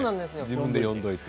自分で呼んでおいて。